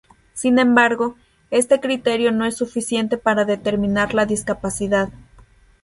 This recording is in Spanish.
Sin embargo, este criterio no es suficiente para determinar la discapacidad.